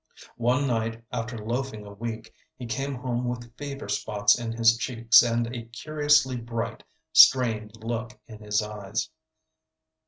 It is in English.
One night, after loafing a week, he came home with fever spots in his cheeks and a curiously bright, strained look in his eyes.